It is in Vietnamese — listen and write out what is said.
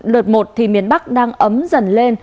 luật một thì miền bắc đang ấm dần lên